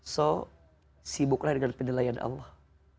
so sibuklah dengan penilaian allah